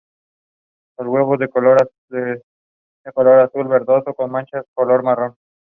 Los huevos son de color azul verdoso con manchas de color marrón.